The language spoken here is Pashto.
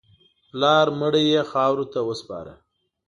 پلار مړی یې خاورو ته وسپاره.